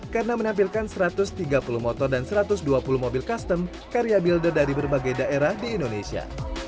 karena menampilkan satu ratus tiga puluh motor dan satu ratus dua puluh mobil custom karya builder dari berbagai daerah di indonesia